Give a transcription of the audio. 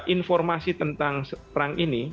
informasi tentang perang ini